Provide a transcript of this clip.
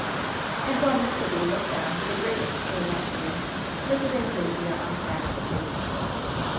And while Miss Sibby looked on with the greatest curiosity, Mrs. Anglesea impacked the case.